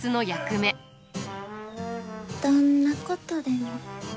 どんなことでも。